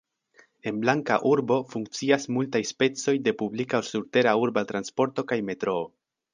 En Blanka urbo funkcias multaj specoj de publika surtera urba transporto kaj metroo.